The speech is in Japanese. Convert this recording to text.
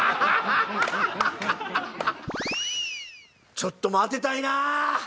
ちょっともう当てたいな！